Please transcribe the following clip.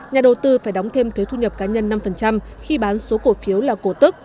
nhà đầu tư phải đóng thêm thuế thu nhập cá nhân năm khi bán số cổ phiếu là cổ tức